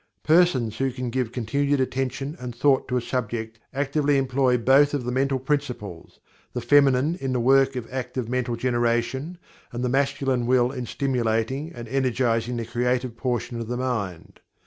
Persons who can give continued attention and thought to a subject actively employ both of the Mental Principles the Feminine in the work of the mental generation, and the Masculine Will in stimulating and energizing the creative portion of the mind.